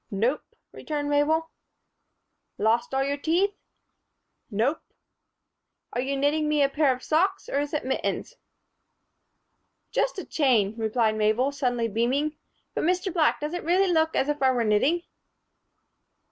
"Nope," returned Mabel. "Lost all your teeth?" "Nope." "Are you knitting me a pair of socks or is it mittens?" "Just a chain," replied Mabel, suddenly beaming. "But, Mr. Black, does it really look as if I were knitting?"